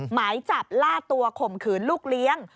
หมายจับล่าตัวข่มขืนลูกเลี้ยง